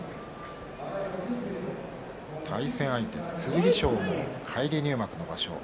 対戦相手、剣翔も返り入幕の場所。